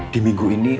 di minggu ini